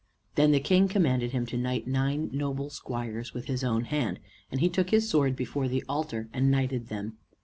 Then the King commanded him to knight nine noble squires with his own hand; and he took his sword before the altar, and knighted them.